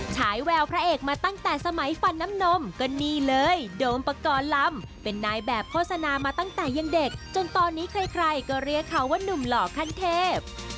ฉายแววพระเอกมาตั้งแต่สมัยฟันน้ำนมก็นี่เลยโดมปกรณ์ลำเป็นนายแบบโฆษณามาตั้งแต่ยังเด็กจนตอนนี้ใครก็เรียกเขาว่านุ่มหล่อขั้นเทพ